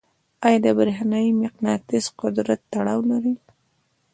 آیا د برېښنايي مقناطیس قدرت تړاو لري؟